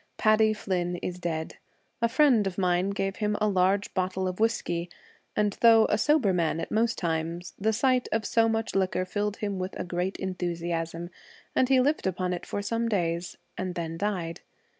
Paddy Flynn is dead ; a friend of mine gave him a large bottle of whiskey, and though a sober man at most times, the sight of so much liquor filled him with a great enthusiasm, and he lived upon it for some days and then died.